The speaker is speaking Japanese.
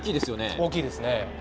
大きいですね。